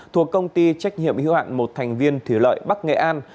thuộc công ty trách nhiệm hữu hạn một thành viên thủy lợi bắc nghệ an